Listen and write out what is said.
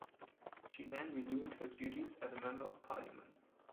She then resumed her duties as a member of parliament.